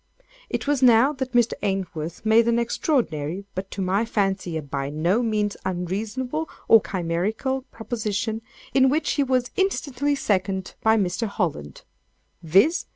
It was now that Mr. Ainsworth made an extraordinary, but to my fancy, a by no means unreasonable or chimerical proposition, in which he was instantly seconded by Mr. Holland—viz.